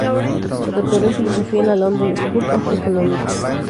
Se doctoró en filosofía en la London School of Economics.